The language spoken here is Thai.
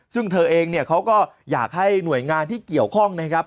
ซึ่งเธอเองเนี่ยเขาก็อยากให้หน่วยงานที่เกี่ยวข้องนะครับ